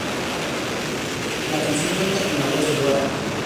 La canción cuenta con la voz de Warren.